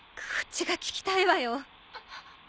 こっちが聞きたいわよ。